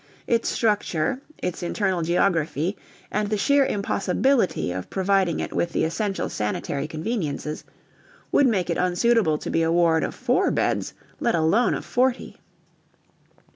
Its structure, its internal geography, and the sheer impossibility of providing it with the essential sanitary conveniences, would make it unsuitable to be a ward of four beds, let alone of forty.